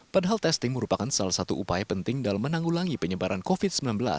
padahal testing merupakan salah satu upaya penting dalam menanggulangi penyebaran covid sembilan belas